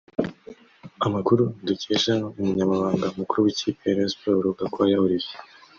Amakuru dukesha Umunyamabanga Mukuru w’ikipe ya Rayon Sports Gakwaya Olivier